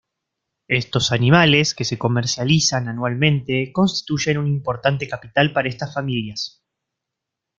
Estos animales que se comercializan anualmente constituyen un importante capital para estas familias.